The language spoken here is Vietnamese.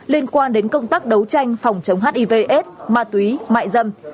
liên quan đến công tác đấu tranh phòng chống hiv s ma túy mại dâm